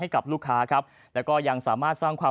ให้กับลูกค้าครับแล้วก็ยังสามารถสร้างความ